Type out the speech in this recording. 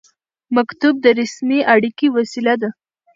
مکتوب د رسمي اړیکې وسیله ده